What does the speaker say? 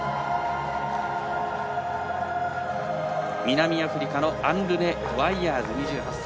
南アフリカのアンルネ・ワイヤーズ、２８歳。